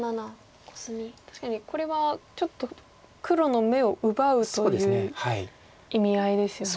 確かにこれはちょっと黒の眼を奪うという意味合いですよね。